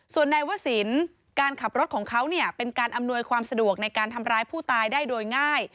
ส่วนนายวศิลป์การขับรถของเขาเป็นการอำนวยความสะดวกในการทำร้ายผู้ตายได้โดยง่าย